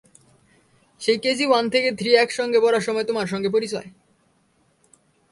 সেই KG one থেকে three একসঙ্গে পড়ার সময় তোমার সঙ্গে পরিচয়।